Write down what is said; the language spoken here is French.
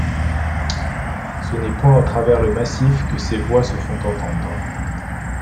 Ce n’est point à travers le massif que ces voix se font entendre.